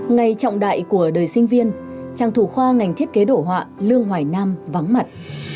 ngày trọng đại của đời sinh viên tràng thủ khoa ngành thiết kế đổ họa lương hoài nam vắng mặt